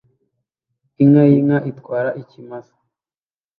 Inka yinka itwara ikimasa